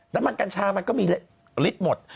น้ำมันกัญชามันก็มีลิตรหมด